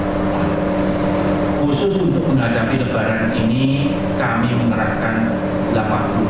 sistem kelistrikan pln di tahun ini jauh lebih pokok jauh lebih andal dari sistem kelistrikan di masa lalu